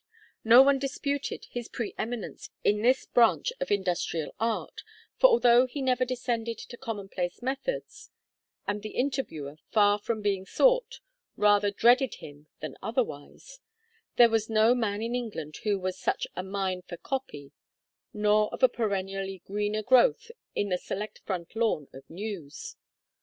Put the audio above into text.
No one disputed his pre eminence in this branch of industrial art, for although he never descended to commonplace methods, and the interviewer, far from being sought, rather dreaded him than otherwise, there was no man in England who was such a mine for "copy," nor of a perennially greener growth in the select front lawn of "news."